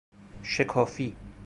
شکافی